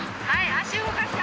足動かして。